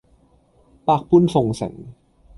百般奉承